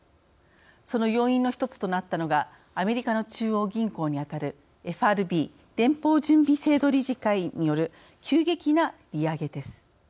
その要因の１つとなったのがアメリカの中央銀行に当たるＦＲＢ＝連邦準備制度理事会による急激な利上げです。